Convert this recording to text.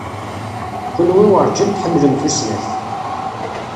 Kenwi werǧin tḥemmlem tusnakt.